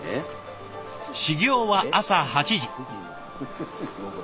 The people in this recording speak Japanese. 始業は朝８時。